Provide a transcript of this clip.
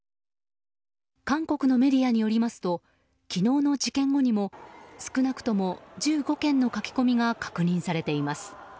韓国のメディアによりますと昨日の事件後にも少なくとも１５件の書き込みが確認されています。